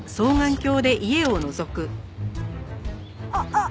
あっ！